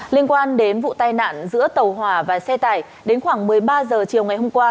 liên quan đến vụ tai nạn giữa tàu hỏa và xe tải đến khoảng một mươi ba h chiều ngày hôm qua